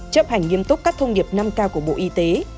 chấp hành nghiêm túc các thông điệp năm k của bộ y tế